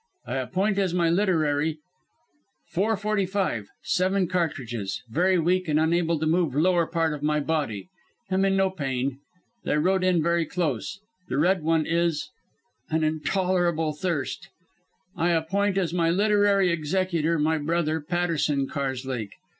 I appoint as my literary "Four forty five. Seven cartridges. Very weak and unable to move lower part of my body. Am in no pain. They rode in very close. The Red One is An intolerable thirst "I appoint as my literary executor my brother, Patterson Karslake.